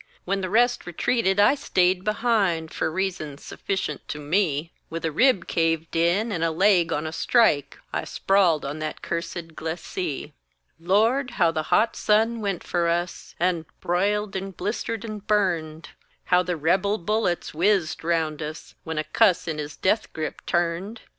When the rest retreated I stayed behind, Fur reasons sufficient to me, With a rib caved in, and a leg on a strike, I sprawled on that cursed glacee. Lord! how the hot sun went for us, And br'iled and blistered and burned! How the Rebel bullets whizzed round us When a cuss in his death grip turned!